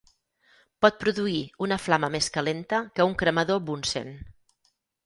Pot produir una flama més calenta que un cremador Bunsen.